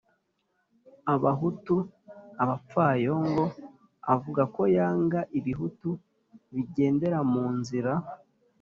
abahutu abapfayongo avuga ko yanga “ibihutu bigenderamu nzira